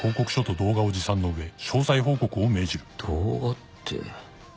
動画って。